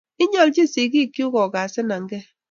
Inyaljin sigik chug ko kasenangei